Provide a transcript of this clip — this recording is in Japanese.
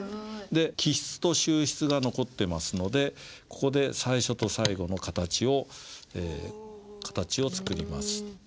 で起筆と収筆が残ってますのでここで最初と最後の形を作ります。